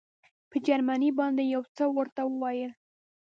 په جرمني باندې یې یو څه ورته وویل.